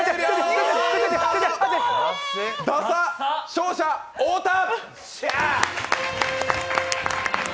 勝者、太田！